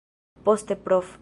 Poste prof.